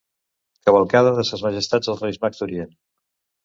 Cavalcada de Ses Majestats els Reis Mags d'Orient.